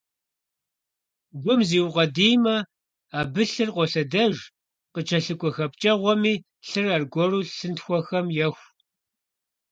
Гум зиукъуэдиймэ, абы лъыр къолъэдэж, къыкӀэлъыкӀуэ хэпкӀэгъуэми лъыр аргуэру лъынтхуэхэм еху.